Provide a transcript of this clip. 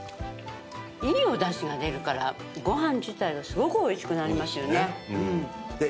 いいお出汁が出るからご飯自体がすごくおいしくなりますよね。